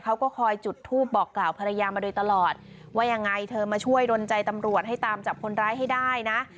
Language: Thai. เขาก็คอยจุดทูปบอกกล่าวภรรยามาโดยตลอดว่ายังไงเธอมาช่วยดนใจตำรวจให้ตามจับคนร้ายให้ได้นะ